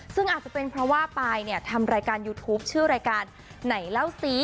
ซึ่งอาจจะเป็นเพราะว่าปายเนี่ยทำรายการยูทูปชื่อรายการไหนเล่าสิ